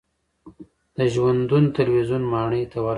د ژوندون تلویزیون ماڼۍ ته ورغلو.